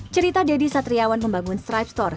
cerita deddy satriawan membangun stripe store